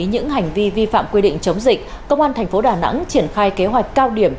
những hành vi vi phạm quy định chống dịch công an thành phố đà nẵng triển khai kế hoạch cao điểm